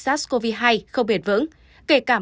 sars cov hai không bền vững kể cả